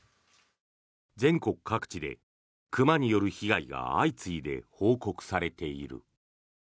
全国各地で熊による被害が相次いで報告されている。